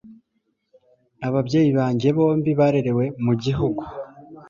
ababyeyi banjye bombi barerewe mu gihugu